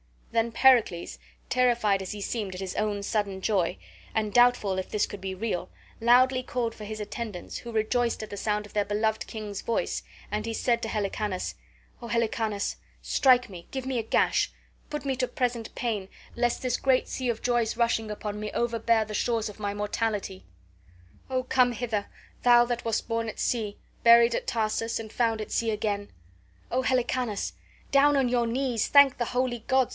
Then Pericles, terrified as he seemed at his own sudden joy, and doubtful if this could be real, loudly called for his attendants, who rejoiced at the sound of their beloved king's voice; and he said to Helicanus: "O Helicanus, strike me, give me a gash, put me to present pain, lest this great sea of joys rushing upon me overbear the shores of my mortality. Oh, come hither, thou that wast born at sea, buried at Tarsus, and found at sea again. O Helicanus, down on your knees, thank the holy gods!